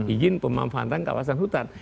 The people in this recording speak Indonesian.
izin pemanfaatan kawasan hutan